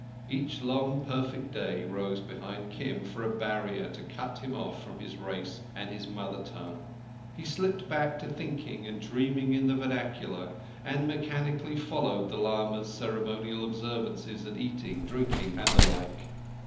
Each long, perfect day rose behind Kim for a barrier to cut him off from his race and his mother tongue. He slipped back to thinking and dreaming in the vernacular, and mechanically followed the lama's ceremonial observances at eating, drinking, and the like.